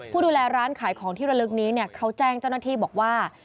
ผู้ดูแลร้านขายของที่ระลึกนี้เนี่ยเขาแจ้งเจ้าหน้าที่บอกว่า